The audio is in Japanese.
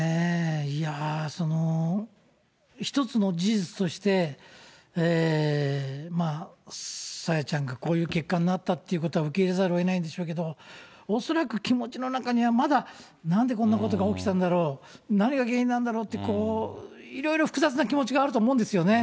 いやー、その、一つの事実として、朝芽ちゃんがこういう結果になったということは、受け入れざるをえないんでしょうけど、恐らく気持ちの中には、まだ、なんでこんなことが起きたんだろう、何が原因なんだろうって、いろいろ複雑な気持ちがあると思うんですよね。